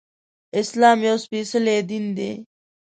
اسلام يو سپيڅلی دين دی